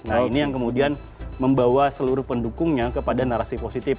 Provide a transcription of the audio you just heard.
nah ini yang kemudian membawa seluruh pendukungnya kepada narasi positif